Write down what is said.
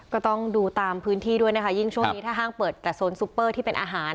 ก็ต้องดูตามพื้นที่ด้วยนะคะยิ่งช่วงนี้ถ้าห้างเปิดแต่โซนซุปเปอร์ที่เป็นอาหาร